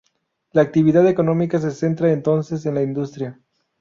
La actividad económica se centra entonces en la industria.